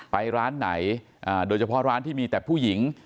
ไปร้านไหนโดยเฉพาะร้านที่มีแต่ผู้หญิง